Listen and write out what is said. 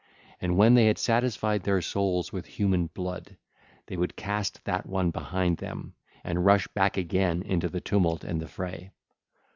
And when they had satisfied their souls with human blood, they would cast that one behind them, and rush back again into the tumult and the fray.